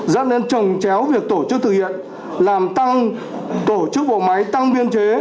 dẫn đến trầm chéo việc tổ chức thực hiện làm tăng tổ chức bộ máy tăng viên chế